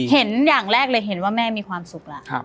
เห็นอย่างแรกเลยแม่มีความสุข